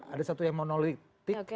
ada satu yang monolidik